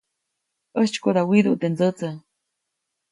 ʼÄjtsykoda widuʼu teʼ ndsätsä.